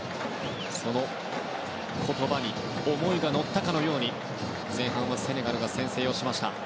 その言葉に思いが乗ったかのように前半はセネガルが先制しました。